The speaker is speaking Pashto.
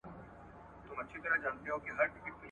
ولسمشر باید د ملي وضعیت حقیقي راپور ترلاسه کړي.